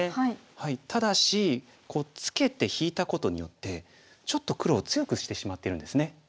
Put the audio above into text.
ただしこうツケて引いたことによってちょっと黒を強くしてしまってるんですね。